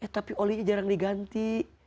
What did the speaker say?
tapi olinya jarang diganti